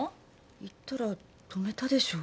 言ったら止めたでしょ？